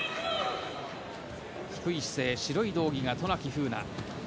低い姿勢白い道着が渡名喜風南。